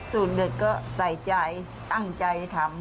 สูตรเด็ดก็ใส่ใจตั้งใจทำ